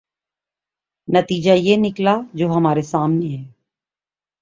نتیجہ یہ نکلا جو ہمارے سامنے ہے۔